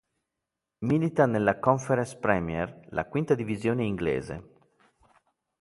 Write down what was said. Milita nella Conference Premier, la quinta divisione inglese.